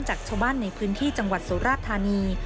จากชาวบ้านในพื้นที่จังหวัดสุราธานี